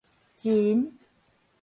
繩